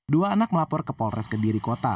dua anak melapor ke polres kediri kota